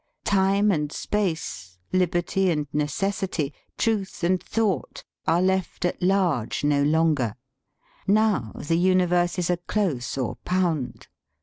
Time and space, liberty and necessity, truth and thought, are left at large no longer. Now, the universe is a close or pound.